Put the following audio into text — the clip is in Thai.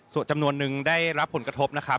ส่วนจำนวนนึงได้รับผลกระทบนะครับ